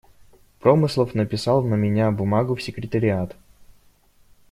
Промыслов написал на меня бумагу в Секретариат.